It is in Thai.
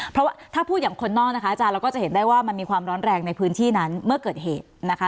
เพราะว่าถ้าพูดอย่างคนนอกนะคะอาจารย์เราก็จะเห็นได้ว่ามันมีความร้อนแรงในพื้นที่นั้นเมื่อเกิดเหตุนะคะ